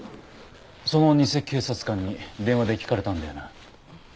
その偽警察官に電話で聞かれたんだよな？